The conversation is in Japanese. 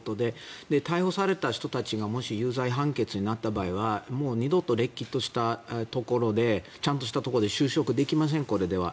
逮捕された人たちがもし有罪判決になった場合には二度とれっきとしたところでちゃんとしたところで就職できません、これでは。